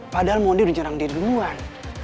padahal mon dia udah nyerang diri duluan